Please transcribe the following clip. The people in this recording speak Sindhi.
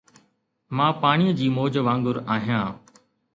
مان پاڻيءَ جي موج وانگر آهيان